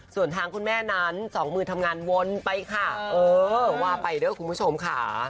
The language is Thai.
ส่วนทางคุณแม่นั้นสองมือทำงานวนไปค่ะเออว่าไปด้วยคุณผู้ชมค่ะ